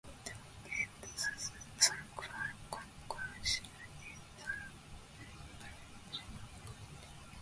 The local council is Saint Stephen Parish Council.